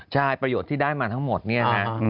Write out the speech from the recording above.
ใช่ประโยชน์ที่ได้มาทั้งหมดเนี่ยนะ